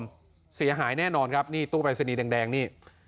จะเปลี่ยนแน่นอนสิครับนี่ตู้ไปรับไปซีนีแดงนี่